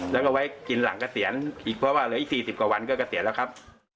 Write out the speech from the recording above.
แล้วก็ไว้กินหลังเกษียณอีกเพราะว่าเหลืออีก๔๐กว่าวันก็เกษียณแล้วครับ